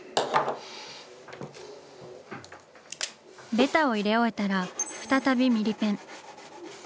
ベタを入れ終えたら再びミリペン。